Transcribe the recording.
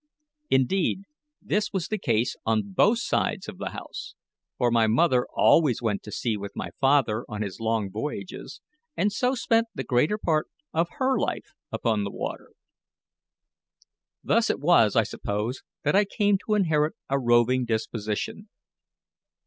Indeed, this was the case on both sides of the house; for my mother always went to sea with my father on his long voyages, and so spent the greater part of her life upon the water. Thus it was, I suppose, that I came to inherit a roving disposition.